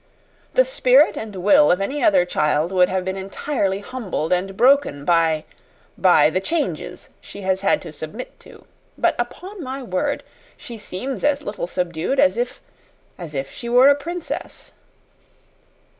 "The spirit and will of any other child would have been entirely humbled and broken by by the changes she has had to submit to. But, upon my word, she seems as little subdued as if as if she were a princess."